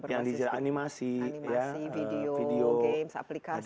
yang digital animasi video games aplikasi